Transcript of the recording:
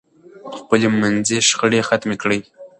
خپل منځي شخړې ختمې کړئ.